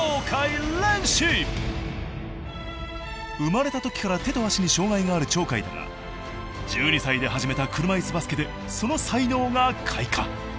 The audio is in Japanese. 生まれたときから手と足に障害がある鳥海だが１２歳で始めた車いすバスケでその才能が開花。